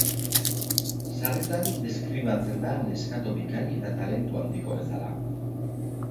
Sarritan deskribatzen da neskato bikain eta talentu handikoa bezala.